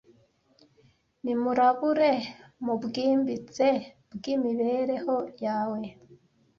nimurabure mubwimbitse bwimibereho yawe